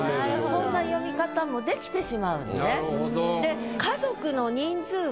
そんな読み方もできてしまうのね。